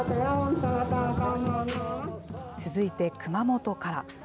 続いて熊本から。